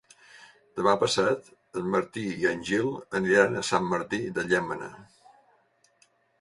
Demà passat en Martí i en Gil aniran a Sant Martí de Llémena.